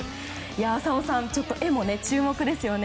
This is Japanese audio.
浅尾さん、画も注目ですよね。